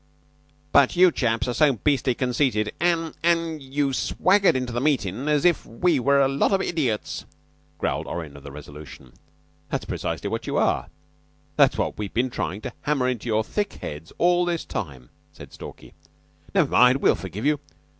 "But you chaps are so beastly conceited, an' an' you swaggered into the meetin' as if we were a lot of idiots," growled Orrin of the resolution. "That's precisely what you are! That's what we've been tryin' to hammer into your thick heads all this time," said Stalky. "Never mind, we'll forgive you.